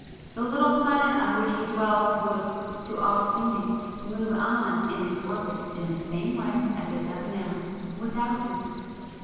The little planet on which he dwells would, to all seeming, move on in its orbit in the same way as it does now, without him.